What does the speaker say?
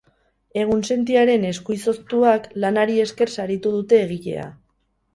Egunsentiaren esku izoztuak lanari esker saritu dute egilea.